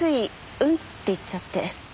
「うん」って言っちゃって。